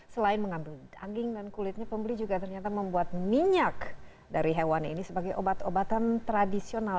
selain mengambil daging dan kulitnya pembeli juga ternyata membuat minyak dari hewan ini sebagai obat obatan tradisional